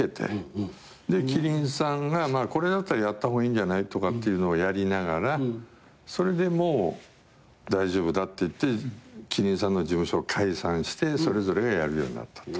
で希林さんがこれだったらやった方がいいんじゃないとかっていうのをやりながらそれでもう大丈夫だっていって希林さんの事務所を解散してそれぞれがやるようになったと。